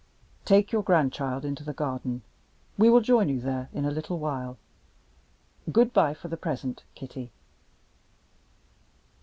"Take your grandchild into the garden; we will join you there in a little while. Good by for the present, Kitty."